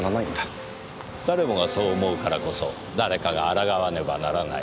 誰もがそう思うからこそ誰かが抗わねばならない。